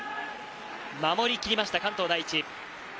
守り切りました関東第一。